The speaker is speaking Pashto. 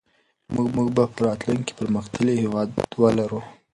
موږ به راتلونکي کې پرمختللی هېواد ولرو.